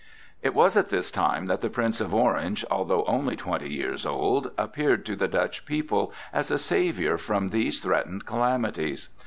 It was at this time that the Prince of Orange, although only twenty years old, appeared to the Dutch people as a savior from these threatened calamities.